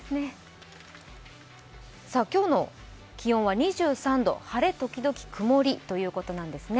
今日の気温は２３度、晴れ時々曇りということなんですね。